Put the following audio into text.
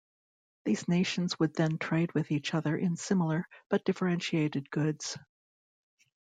These nations would then trade with each other in similar, but differentiated goods.